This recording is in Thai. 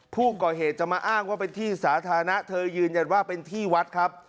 ผู้ก่อเหตุจะมาอ้างว่าเป็นที่สาธารณะเธอยืนยันว่าเป็นที่วัดครับ